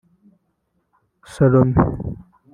Salome